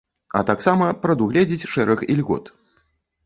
А таксама прадугледзіць шэраг ільгот.